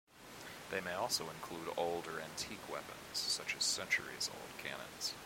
They may also include old or antique weapons, such as centuries-old cannons.